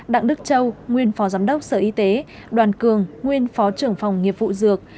đặng đức châu nguyên phó giám đốc sở y tế đoàn cường nguyên phó trưởng phòng nghiệp vụ dược